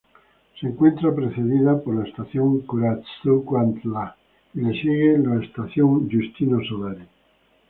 Se encuentra precedida por la Estación Curuzú Cuatiá y le sigue Estación Justino Solari.